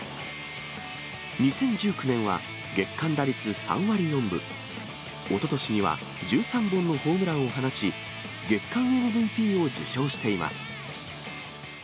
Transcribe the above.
２０１９年は月間打率３割４分、おととしには１３本のホームランを放ち、月間ＭＶＰを受賞しています。